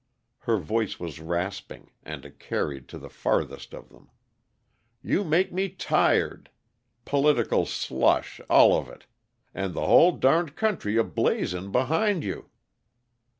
Her voice was rasping, and it carried to the farthest of them. "You make me tired! Political slush, all of it and the hull darned country a blazin' behind you!"